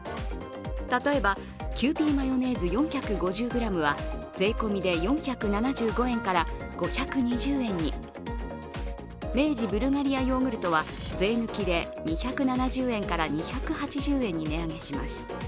例えばキユーピーマヨネーズ４５０ｇは税込みで４７５円から５２０円に、明治ブルガリアヨーグルトは税抜きで２７０円から２８０円に値上げします。